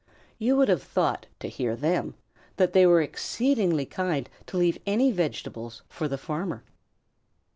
You would have thought, to hear them, that they were exceedingly kind to leave any vegetables for the farmer.